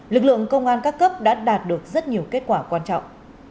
lực lượng công an các cấp đã đạt được rất nhiều kết quả quan trọng